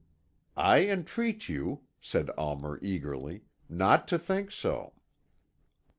"I entreat you," said Almer eagerly, "not to think so."